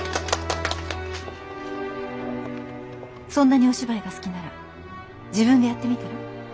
そんなにお芝居が好きなら自分でやってみたら？